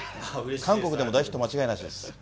韓国でも大ヒット間違いなしです。